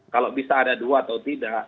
kalau bisa ada dua atau tidak